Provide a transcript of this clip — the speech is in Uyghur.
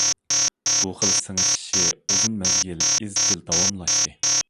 بۇ خىل سىڭىشىشى ئۇزۇن مەزگىل ئىزچىل داۋاملاشتى.